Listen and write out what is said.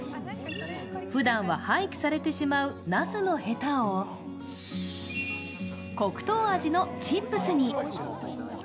ふだんは廃棄されてしまう、なすのヘタを黒糖味のチップスに。